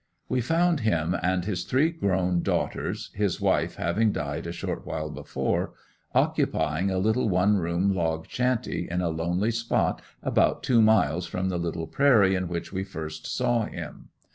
We found him and his three grown daughters, his wife having died a short while before, occupying a little one room log shanty in a lonely spot about two miles from the little prairie in which we first saw him.